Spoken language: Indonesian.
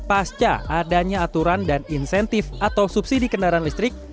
pasca adanya aturan dan insentif atau subsidi kendaraan listrik